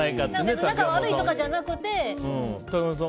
別に仲が悪いとかじゃなくて。